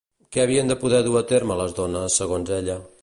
Què havien de poder dur a terme les dones, segons ella?